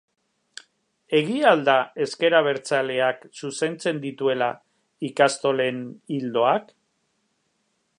Egia al da ezker abertzaleak zuzentzen dituela ikastolen ildoak?